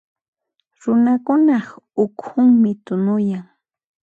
Runakunaq ukhunmi tunuyan.